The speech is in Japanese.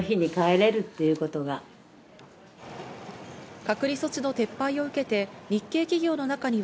隔離措置の撤廃を受けて、日系企業の中には